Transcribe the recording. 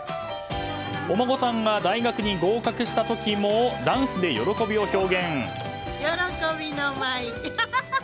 お孫さんが大学に合格した時もダンスで喜びを表現！